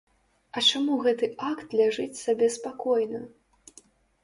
А чаму гэты акт ляжыць сабе спакойна?